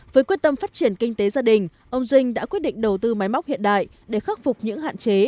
với quyết tâm phát triển kinh tế gia đình ông dinh đã quyết định đầu tư máy móc hiện đại để khắc phục những hạn chế